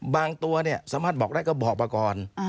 ตัวเนี่ยสามารถบอกได้ก็บอกมาก่อน